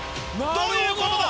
どういうことだ？